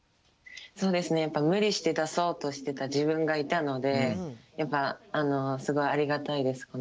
そうですね無理して出そうとしてた自分がいたのでやっぱすごいありがたいです